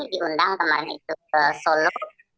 diundang kemarin itu ke solo